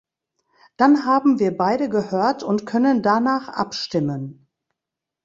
Dann haben wir beide gehört und können danach abstimmen.